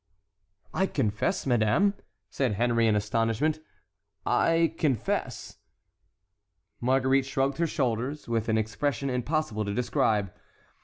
"I confess, madame," said Henry in astonishment, "I confess"— Marguerite shrugged her shoulders with an expression impossible to describe.